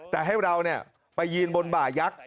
แต่ให้เราไปยืนบนบ่ายักษ์